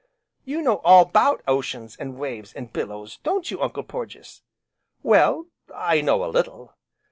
"You know all 'bout oceans, an' waves, and billows, don't you Uncle Porges?" "Well, I know a little."